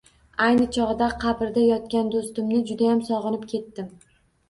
Ayni chogʻda qabrda yotgan doʻstimni judayam sogʻinib ketdim